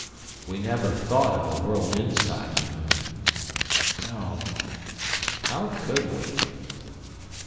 "We never thought of a world inside the moon." "No." "How could we?"